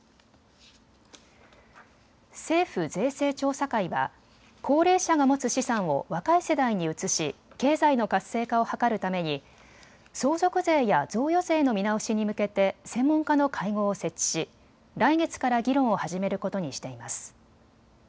政府税制調査会は高齢者が持つ資産を若い世代に移し経済の活性化を図るために相続税や贈与税の見直しに向けて専門家の会合を設置し来月から議論を始めることにしています。